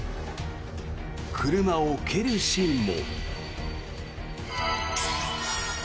車を蹴るシーンも。